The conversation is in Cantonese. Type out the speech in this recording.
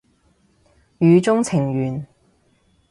語中程緣